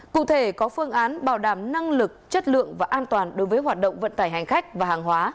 cụ thể có phương án bảo đảm năng lực chất lượng và an toàn đối với hoạt động vận tải hành khách và hàng hóa